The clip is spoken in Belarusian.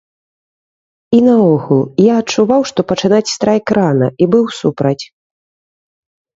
І наогул, я адчуваў, што пачынаць страйк рана і быў супраць.